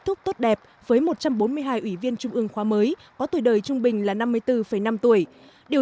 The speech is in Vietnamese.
thúc tốt đẹp với một trăm bốn mươi hai ủy viên trung ương khóa mới có tuổi đời trung bình là năm mươi bốn năm tuổi điều